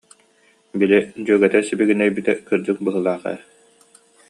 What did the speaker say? Били, дьүөгэтэ сибигинэйбитэ кырдьык быһыылаах ээ